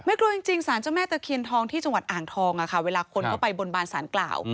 กลัวจริงสารเจ้าแม่ตะเคียนทองที่จังหวัดอ่างทองเวลาคนเข้าไปบนบานสารกล่าว